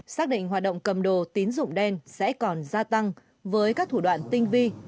xác định hoạt động cầm đồ tín dụng đen sẽ còn gia tăng với các thủ đoạn tinh vi